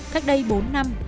cách đây bốn năm